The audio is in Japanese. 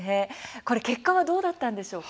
これ結果はどうだったんでしょうか。